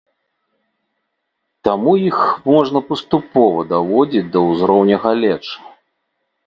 Таму іх можна паступова даводзіць да ўзроўню галечы.